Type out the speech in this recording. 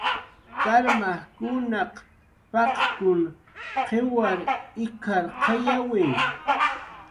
"Karmajkunaq paq""kun qiwar ik""arqayawi"